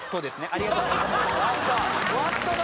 ありがとうございますＷａＴだ！